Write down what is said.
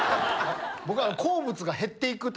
僕。